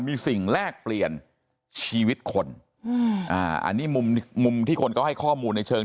มีสิ่งแลกเปลี่ยนชีวิตคนอืมอ่าอันนี้มุมมุมที่คนก็ให้ข้อมูลในเชิง